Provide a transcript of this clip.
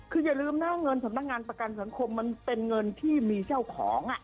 คืออย่าลืมนะเงินสำนักงานประกันสังคมมันเป็นเงินที่มีเจ้าของ